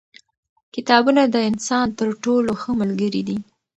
کتابونه د انسان تر ټولو ښه ملګري دي.